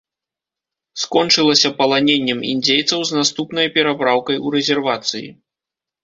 Скончылася паланеннем індзейцаў з наступнай перапраўкай у рэзервацыі.